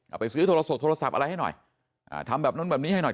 เอาไปซื้อโทรศกโทรศัพท์อะไรให้หน่อยอ่าทำแบบนั้นแบบนี้ให้หน่อย